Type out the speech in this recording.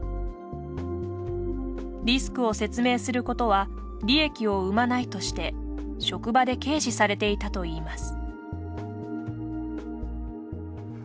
リスクを説明することは利益を生まないとして職場で軽視されていたといいます。